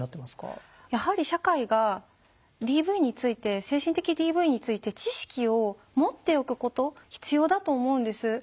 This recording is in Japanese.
やはり社会がＤＶについて精神的ＤＶについて知識を持っておくこと必要だと思うんです。